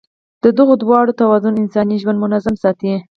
د دغو دواړو توازن انساني ژوند منظم ساتي.